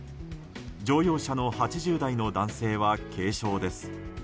乗用車の８０代の男性は軽傷です。